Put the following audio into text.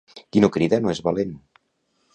Qui no crida no és valent.